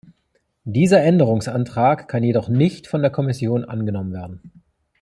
Dieser Änderungsantrag kann jedoch nicht von der Kommission angenommen werden.